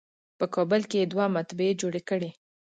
په کابل کې یې دوه مطبعې جوړې کړې.